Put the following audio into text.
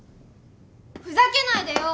・ふざけないでよ！